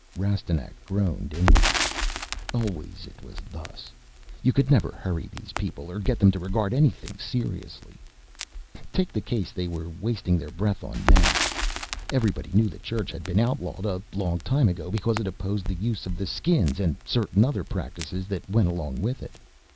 Rastignac groaned inwardly. Always it was thus. You could never hurry these people or get them to regard anything seriously. Take the case they were wasting their breath on now. Everybody knew the Church had been outlawed a long time ago because it opposed the use of the Skins and certain other practices that went along with it.